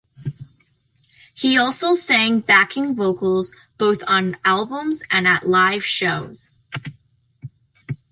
He also sang backing vocals, both on albums and at live shows.